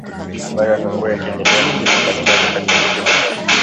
ambayo yamekuwa yakiendelea mjini Baghdad katika kipindi cha